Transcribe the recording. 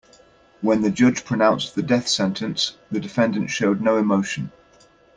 When the judge pronounced the death sentence, the defendant showed no emotion.